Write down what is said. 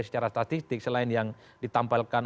secara statistik selain yang ditampilkan